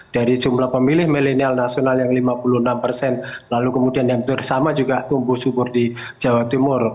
dari jumlah pemilih milenial nasional yang lima puluh enam persen lalu kemudian hampir sama juga tumbuh subur di jawa timur